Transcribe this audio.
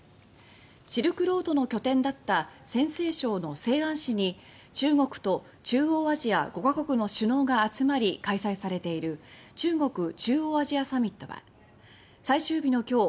シルクロードの拠点だった陝西省の西安市に中国と中央アジア５か国の首脳が集まり開催されている中国・中央アジアサミットは最終日の今日